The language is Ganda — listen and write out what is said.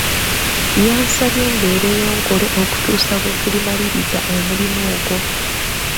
Yansabye mbeereyo nkole okutuusa lwe tulimaliriza omulimu ogwo.